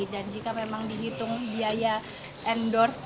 dan jika memang dihitung biaya endorse